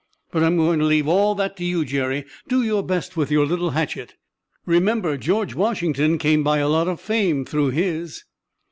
But I'm going to leave all that to you, Jerry. Do your best with your little hatchet. Remember, George Washington came by a lot of fame through his."